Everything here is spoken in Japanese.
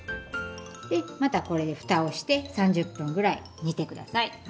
でまたこれでふたをして３０分ぐらい煮てください。